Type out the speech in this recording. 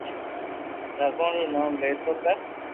بڀگوان رو نوم ليتو ڪر